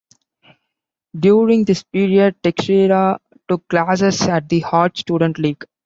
During this period, Texeira took classes at the Art Students League.